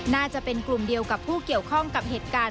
น่าจะเป็นกลุ่มเดียวกับผู้เกี่ยวข้องกับเหตุการณ์